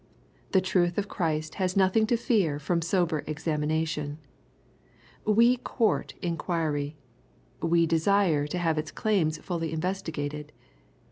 The truth of Christ has nothing to fear from sober examination. We court inquiry. We desire to have its claims fully investigated.